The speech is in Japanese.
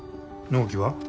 納期は？